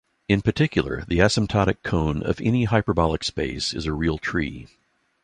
In particular, the asymptotic cone of any hyperbolic space is a real tree.